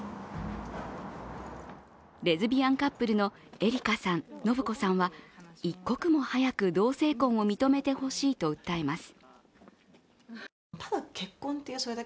レズビアンカップルのエリカさん、信子さんは一刻も早く同性婚を認めてほしいと訴えます。